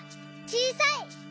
「ちいさい」！